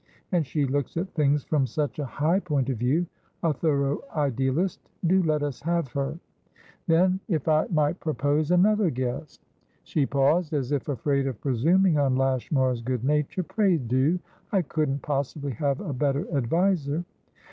And she looks at things from such a high point of viewa thorough idealist. Do let us have her. Then, if I might propose another guest?" She paused, as if afraid of presuming on Lashmar's good nature. "Pray do! I couldn't possibly have a better adviser."